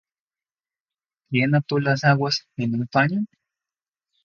¿Quién ató las aguas en un paño?